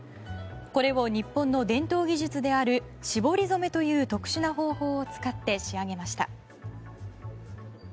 これを日本の伝統技術である絞り染めという特殊な方法を使って仕上げました。